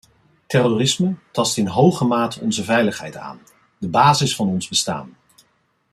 Terrorisme tast in hoge mate onze veiligheid aan, de basis van ons bestaan.